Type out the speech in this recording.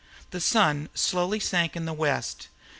The sun slowly sank in the west.